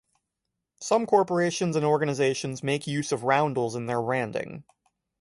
Some corporations and organizations make use of roundels in their branding.